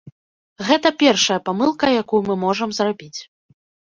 Гэта першая памылка, якую мы можам зрабіць.